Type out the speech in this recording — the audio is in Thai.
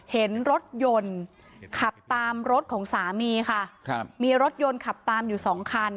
เห็นรถยนต์ขับตามรถของสามีค่ะครับมีรถยนต์ขับตามอยู่สองคัน